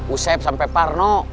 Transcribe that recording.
usep sampai parno